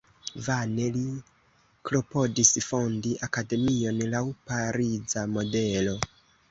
Vane li klopodis fondi akademion laŭ pariza modelo.